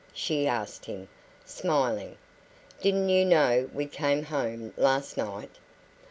she asked him, smiling. "Didn't you know we came home last night?"